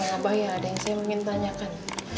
ah tapi apa apa ya ada yang saya mau ditanyakan